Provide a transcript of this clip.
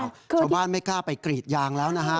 ชาวบ้านไม่กล้าไปกรีดยางแล้วนะฮะ